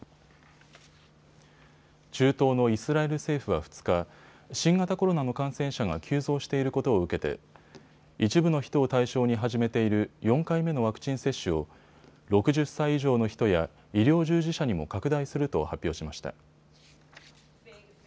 中東のイスラエル政府は２日、新型コロナの感染者が急増していることを受けて一部の人を対象に始めている４回目のワクチン接種を６０歳以上の人や医療従事者にも拡大すると発表しました。